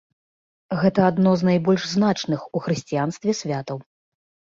Гэта адно з найбольш значных у хрысціянстве святаў.